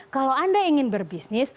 kalau anda ingin berbisnis